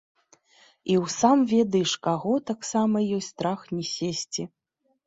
І ў сам ведаеш каго таксама ёсць страх не сесці!